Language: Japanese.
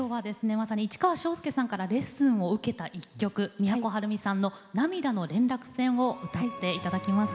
まさに市川昭介さんからレッスンを受けた一曲都はるみさんの「涙の連絡船」を歌って頂きます。